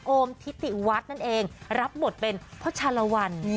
โอมทิติวัฒน์นั่นเองรับบทเป็นพ่อชาลวัน